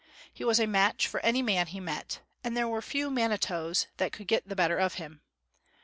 He was a match for any man he met, and there were few mani toes that could get the better of him.